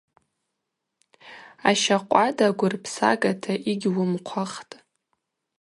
Ащакъвада гвырпсагата йыгьуымхъвахтӏ.